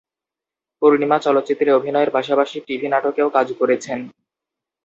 পূর্ণিমা চলচ্চিত্রে অভিনয়ের পাশাপাশি টিভি নাটকেও কাজ করেছেন।